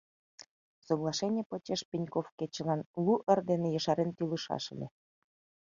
Соглашений почеш Пеньков кечылан лу ыр дене ешарен тӱлышаш ыле.